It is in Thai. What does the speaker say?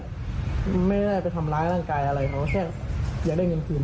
ไม่ได้ไปทำร้ายร่างกายอะไรเขาแค่อยากได้เงินคืน